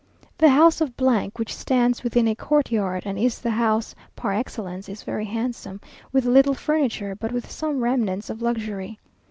The house of , which stands within a courtyard, and is the house par excellence, is very handsome, with little furniture, but with some remnants of luxury.